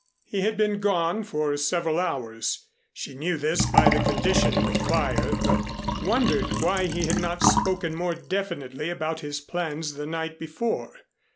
He had been gone for several hours. She knew this by the condition of the fire, but wondered why he had not spoken more definitely about his plans the night before.